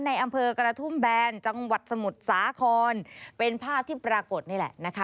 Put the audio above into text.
ในอำเภอกระทุ่มแบนจังหวัดสมุทรสาครเป็นภาพที่ปรากฏนี่แหละนะคะ